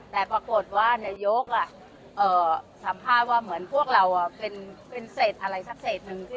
แต่ปรากฏว่านายกสัมภาษณ์ว่าเหมือนพวกเราเป็นเศษอะไรสักเศษหนึ่ง